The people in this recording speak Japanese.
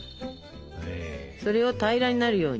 それを平らになるように。